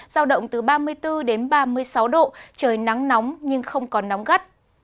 giao động từ ba mươi bốn đến ba mươi sáu độ trời nắng nóng nhưng không còn nóng gắt